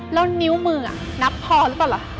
แล้วนิ้วมือนับพอหรือเปล่าล่ะ